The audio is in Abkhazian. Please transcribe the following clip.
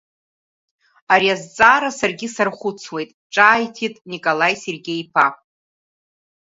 Ари азҵаара саргьы сархәыцуеит, ҿааиҭит Николаи Сергеи-иԥа.